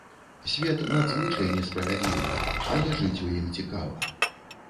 Свет надзвычай несправядлівы, але жыць у ім цікава.